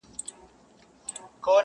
دا قیامت چي هر چا ولېدی حیران سو.!